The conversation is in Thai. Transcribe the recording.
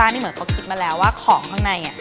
นี่เหมือนเขาคิดมาแล้วว่าของข้างใน